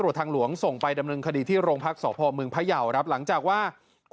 จนมันเคลียร์พื้นค่า